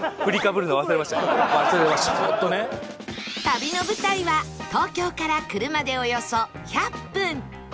旅の舞台は東京から車でおよそ１００分